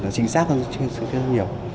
nó chính xác hơn rất nhiều